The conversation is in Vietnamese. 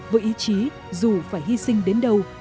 với ý chí dù phải hy sinh đến đâu